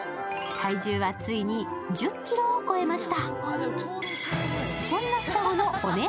体重はついに１０ｋｇを超えました。